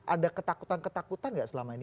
ada ketakutan ketakutan nggak selama ini